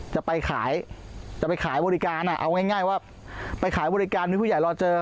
จะไปขายจะไปขายบริการเอาง่ายว่าไปขายบริการมีผู้ใหญ่รอเจอ